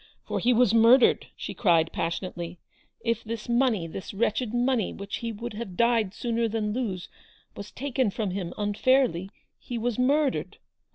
For he was murdered," she cried, passionately, "if this money — this wretched money, which he would have died sooner than lose — was taken from him unfairly. He was murdered.